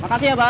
makasih ya bang